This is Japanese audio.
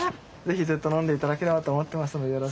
ぜひずっと飲んでいただければと思ってますので。